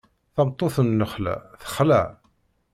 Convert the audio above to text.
Tameṭṭut n lexla texla.